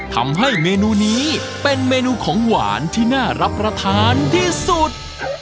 ทำให้เมนูนี้เป็นเมนูของหวานที่น่ารับประทานที่สุด